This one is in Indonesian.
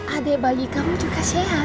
ade bagi kamu juga sehat